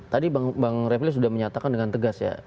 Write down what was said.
tadi bang refli sudah menyatakan dengan tegas ya